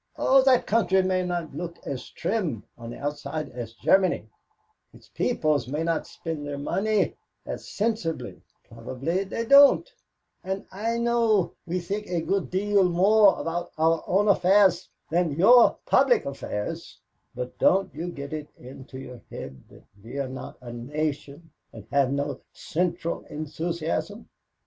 Oh, that country may not look as trim on the outside as Germany, its people may not spend their money as sensibly probably they don't; and I know we think a good deal more about our own affairs than about public affairs; but don't you get it into your head that we're not a nation and have no central enthusiasm.